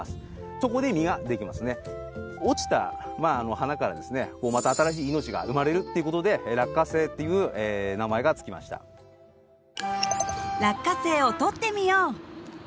そこで実ができますね落ちた花からですねまた新しい命が生まれるっていうことで落花生っていう名前がつきました落花生をとってみよう！